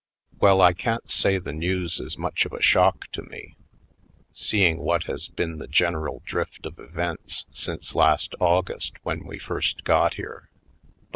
Well, I can't say the news is much of a shock to me, seeing what has been the gen eral drift of events since last August when we first got here.